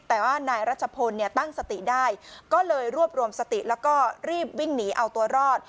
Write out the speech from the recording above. แต่ว่านายรัชพลเนี่ยตั้งสติได้ก็เลยรวบรวมสติแล้วก็รีบวิ่งหนีเอาตัวรอด